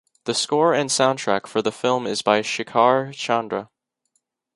The score and soundtrack for the film is by Shekar Chandra.